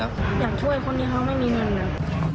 อย่างช่วยคนที่เขาไม่มีเงินเลย